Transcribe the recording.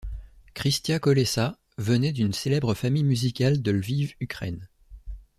Chrystia Kolessa venait d'une célèbre famille musicale de Lviv, Ukraine.